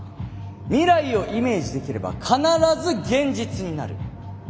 未来をイメージできれば必ず現実になる。